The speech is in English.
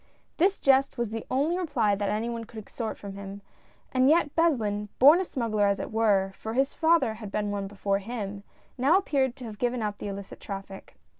This jest was the only reply that any one could extort from him, and yet Beslin, born ^ smuggler, as it were — for his father had been one before him — now appeared to have given up the illicit traffic.